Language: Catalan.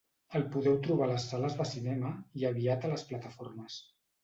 El podeu trobar a les sales de cinema i aviat a les plataformes.